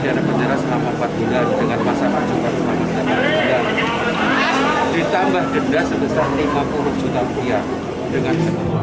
ditambah denda sebesar lima puluh juta rupiah dengan